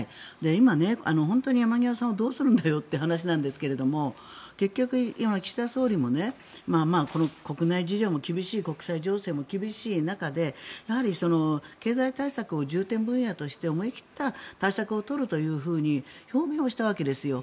今、本当に山際さんどうするんだよという話ですが結局、今、岸田総理も国内情勢も厳しい国際情勢も厳しい中でやはり経済対策を重点分野として思い切った対策を取ると表明したわけですよ。